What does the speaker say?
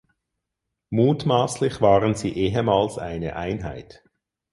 Mutmaßlich waren sie ehemals eine Einheit.